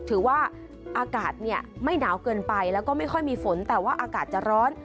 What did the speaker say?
ถือว่าอากาศเนี่ยไม่หนาวเกินไปแล้วก็ไม่ค่อยมีฝนแต่ว่าอากาศจะร้อน